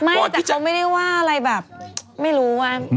ไม่แต่เขาไม่ได้ว่าอะไรแบบไม่รู้ว่า